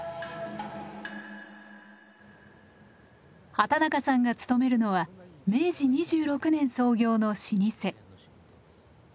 畠中さんが勤めるのは明治２６年創業の老舗。